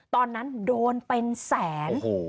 ตอนนั้นโดนเป็นแสน